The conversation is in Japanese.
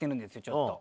ちょっと。